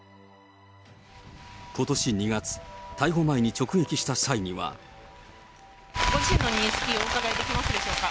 ことし２月、逮捕前に直撃した際には。ご自身の認識をお伺いできますでしょうか。